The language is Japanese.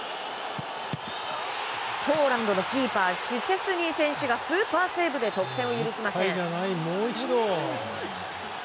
ポーランドのキーパーシュチェスニー選手がスーパーセーブで得点を許しません。